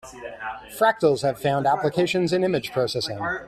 Fractals have found applications in image processing.